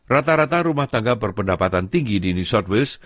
rata rata rumah tangga berpendapatan tinggi di new south wales